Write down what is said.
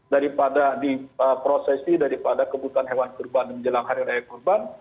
daripada diprosesi daripada kebutuhan hewan kurban dan menjelang hari raya kurban